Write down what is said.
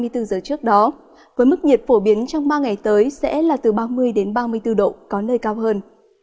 trước đó với mức nhiệt phổ biến trong ba ngày tới sẽ là từ ba mươi ba mươi bốn độ có nơi cao hơn